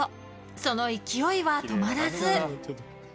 その勢いは止まらず。